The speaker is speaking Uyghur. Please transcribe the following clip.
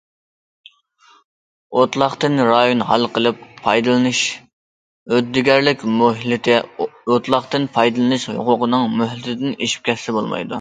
ئوتلاقتىن رايون ھالقىپ پايدىلىنىش ھۆددىگەرلىك مۆھلىتى ئوتلاقتىن پايدىلىنىش ھوقۇقىنىڭ مۆھلىتىدىن ئېشىپ كەتسە بولمايدۇ.